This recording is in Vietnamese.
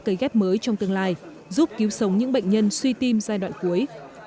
cấy ghép mới trong tương lai giúp cứu sống những bệnh nhân suy tim giai đoạn cuối